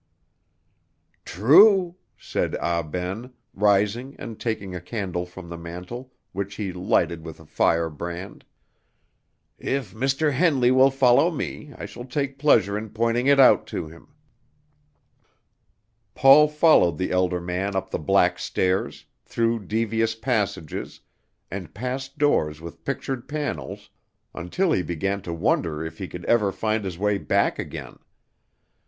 "True," said Ah Ben, rising and taking a candle from the mantel, which he lighted with a firebrand; "if Mr. Henley will follow me, I shall take pleasure in pointing it out to him." Paul followed the elder man up the black stairs, through devious passages, and past doors with pictured panels, until he began to wonder if he could ever find his way back again.